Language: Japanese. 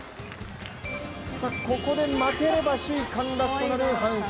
ここで負ければ首位陥落となる阪神。